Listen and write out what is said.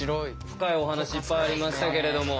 深いお話いっぱいありましたけれども。